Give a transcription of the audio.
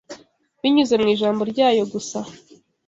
Binyuze mu Ijambo ryayo gusa,